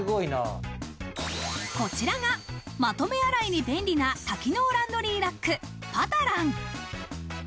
こちらがまとめ洗いに便利な多機能ランドリーラック、パタラン。